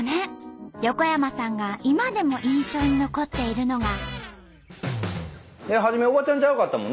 横山さんが今でも印象に残っているのが。